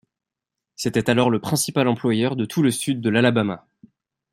C'était alors le principal employeur de tout le sud de l'Alabama.